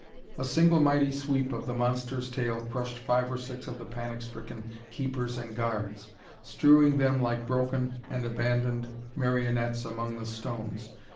A single mighty sweep of the monster's tail crushed five or six of the panic stricken keepers and guards, strewing them like broken and abandoned marionettes among the stones.